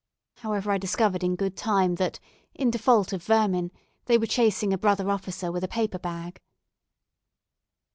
However I discovered in good time that, in default of vermin, they were chasing a brother officer with a paper bag.